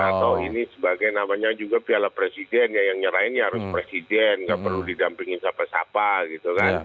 atau ini sebagai namanya juga piala presiden ya yang nyerahin ya harus presiden nggak perlu didampingin siapa siapa gitu kan